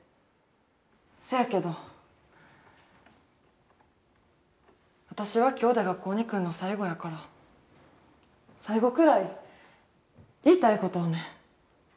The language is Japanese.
せやけど私は今日で学校に来んの最後やから最後くらい言いたいことをね。